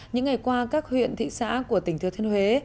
những ngày qua các huyện thị xã của tỉnh thừa thiên huế